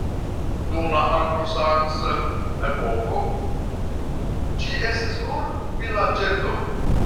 Dum la anglosaksa epoko ĝi estis nur vilaĝeto.